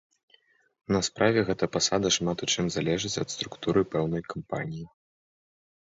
На справе гэта пасада шмат у чым залежыць ад структуры пэўнай кампаніі.